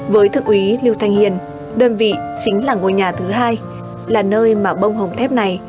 với thượng úy lưu thanh hiền đơn vị chính là ngôi nhà thứ hai là nơi mà bông hồng thép này